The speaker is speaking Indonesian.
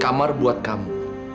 kamar buat kamu